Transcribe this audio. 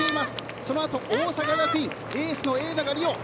そのあと大阪学院エースの永長里緒。